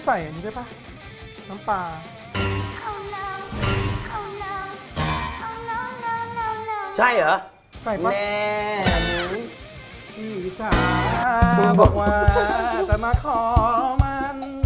ใช่เหรอแน่นุ้ยอีจาระบอกว่าจะมาขอมัน